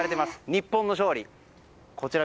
日本の勝利。